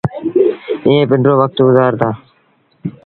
ايئين پنڊرو وکت گزآرتآ۔